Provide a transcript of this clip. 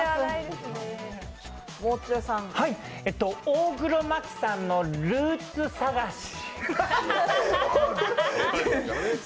大黒摩季さんのルーツ探し。